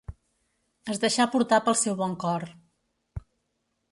Es deixà portar pel seu bon cor.